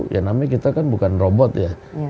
ya namanya kita kan bukan robot ya